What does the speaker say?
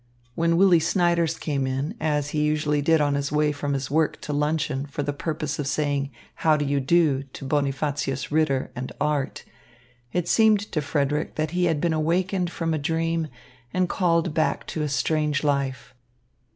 When Willy Snyders came in, as he usually did on his way from his work to luncheon for the purpose of saying "how do you do" to Bonifacius Ritter and art, it seemed to Frederick that he had been awakened from a dream and called back to a strange life.